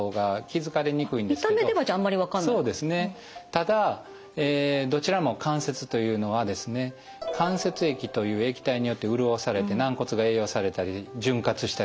ただどちらも関節というのは関節液という液体によって潤されて軟骨が栄養されたり潤滑したりしてます。